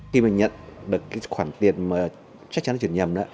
khi mình nhận được khoản tiền chắc chắn truyền nhầm